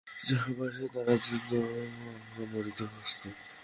যাহাকে ভালবাসি, তাহার জন্য আমরা মরিতেও প্রস্তুত।